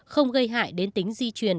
không gây hại đến tính di truyền